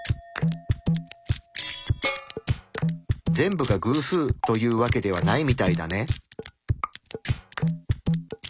全部が偶数というわけではないみたいだね。